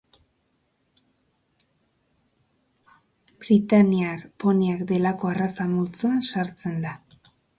Britainiar poniak delako arraza multzoan sartzen da.